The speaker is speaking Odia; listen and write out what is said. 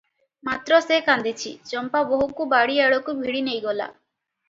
ମାତ୍ର ସେ କାନ୍ଦିଛି ।ଚମ୍ପା ବୋହୂକୁ ବାଡିଆଡକୁ ଭିଡ଼ି ନେଇଗଲା ।